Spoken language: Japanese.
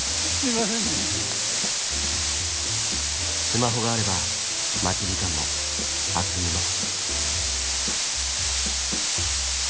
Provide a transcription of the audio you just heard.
スマホがあれば待ち時間もあっという間。